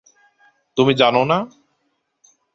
তুমি জানো না?